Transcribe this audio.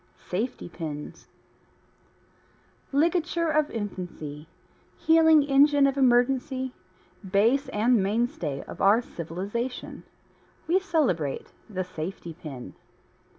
SAFETY PINS Ligature of infancy, healing engine of emergency, base and mainstay of our civilization we celebrate the safety pin.